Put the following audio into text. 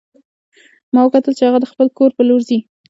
ما وکتل چې هغه د خپل کور په لور ځي